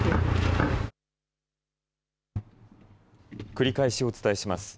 繰り返しお伝えします。